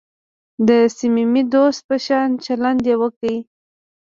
د صمیمي دوست په شان چلند یې وکړ.